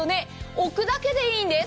置くだけでいいんです。